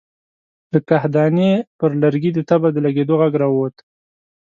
له کاهدانې پر لرګي د تبر د لګېدو غږ را ووت.